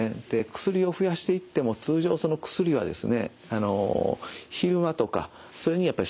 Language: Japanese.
薬を増やしていっても通常その薬はですね